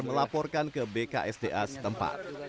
melaporkan ke bksda setempat